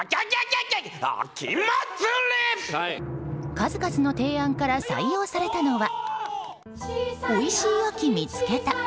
数々の提案から採用されたのは「おいしい秋みつけた」。